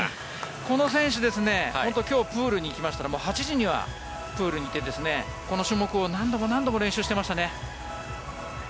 この選手は今日はプールに行きましたら８時にはもういてこの種目を何度も練習してましたね。